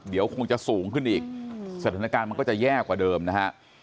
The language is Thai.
เดี๋ยวคงจะสูงขึ้นอีกสถานการณ์มันก็จะแย่กว่าเดิมนะฮะ